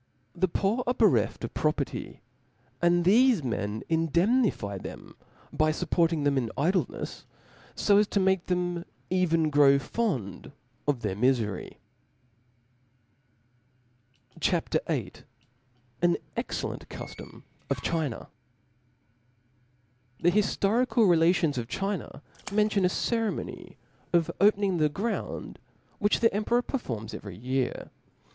The poor are bereft of proper ty ; and thefe men indemnify them by fupporting them in idlenefs, fo as to make them even grow fond of their mifery. CHAP. viir. jin excellent Cvfiom of China. ^HE hiftorical relations (') of China mention ^*)F»*J«J a ceremony *.of opening the grounds, which Hiftory of the emperor performs every year.